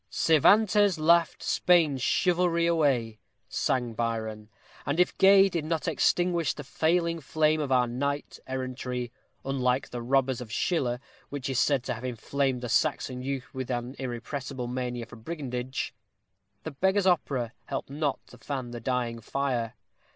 "Cervantes laughed Spain's chivalry away," sang Byron; and if Gay did not extinguish the failing flame of our night errantry unlike the "Robbers" of Schiller, which is said to have inflamed the Saxon youth with an irrepressible mania for brigandage , the "Beggar's Opera" helped not to fan the dying fire.